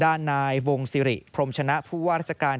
ด้านนายวงศิริพรนาผู้วาศการ